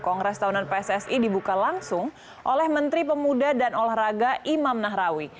kongres tahunan pssi dibuka langsung oleh menteri pemuda dan olahraga imam nahrawi